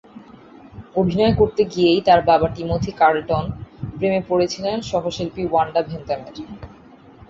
অভিনয় করতে গিয়েই তাঁর বাবা টিমোথি কার্লটন প্রেমে পড়েছিলেন সহশিল্পী ওয়ান্ডা ভেন্থামের।